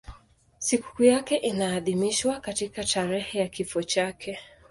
Sikukuu yake inaadhimishwa katika tarehe ya kifo chake.